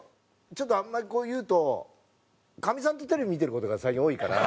ちょっとあんまりこう言うとかみさんとテレビ見てる事が最近多いから。